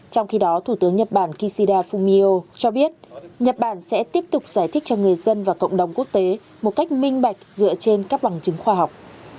trong khi đó thủ tướng nhật bản kishida fumio cho biết nhật bản sẽ tiếp tục giải thích cho người dân và cộng đồng quốc tế một cách minh bạch dựa trên các bằng chứng khoa học